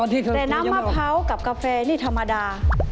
แต่น้ำมะพร้าวกับกาแฟนี่ธรรมดา